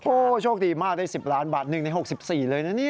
โอ้โหโชคดีมากได้๑๐ล้านบาท๑ใน๖๔เลยนะเนี่ย